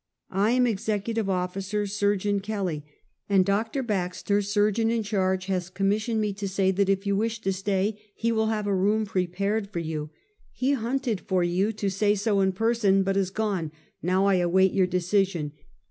I am executive officer Surgeon Kelley; and Dr. Baxter, surgeon in charge, has commissioned me to say that if you wish to stay, he will have a room prepared for you. He hunted for you to say so in person, but is gone; now I await your decision.